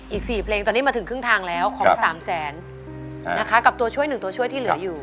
อีก๔เพลงตอนนี้มาถึงครึ่งทางแล้วของสามแสนนะคะกับตัวช่วย๑ตัวช่วยที่เหลืออยู่